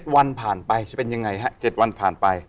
วันผ่านไปจะเป็นยังไงฮะ๗วันผ่านไป